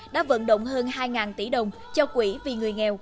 đã vận động hơn hai tỷ đồng cho quỹ vì người nghèo